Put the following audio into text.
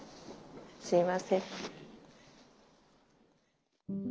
すいません。